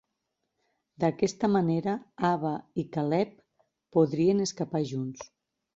D'aquesta manera, Ava i Caleb podrien escapar junts.